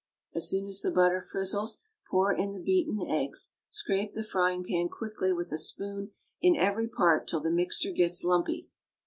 As soon as the butter frizzles, pour in the beaten eggs, scrape the frying pan quickly with a spoon in every part till the mixture gets lumpy.